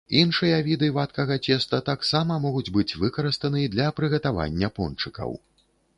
Іншыя віды вадкага цеста таксама могуць быць выкарыстаны для прыгатавання пончыкаў.